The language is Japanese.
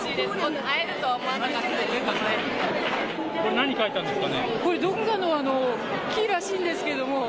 何、描いたんですか。